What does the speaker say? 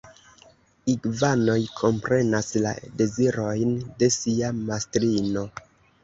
Igvanoj komprenas la dezirojn de sia mastrino.